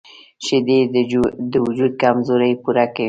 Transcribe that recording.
شیدې د وجود کمزوري پوره کوي